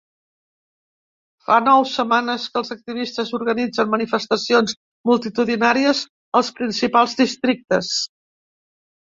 Fa nou setmanes que els activistes organitzen manifestacions multitudinàries als principals districtes.